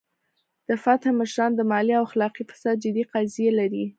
د فتح مشران د مالي او اخلاقي فساد جدي قضیې لري.